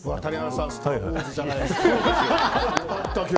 谷原さん、スター・ウォーズじゃないですか。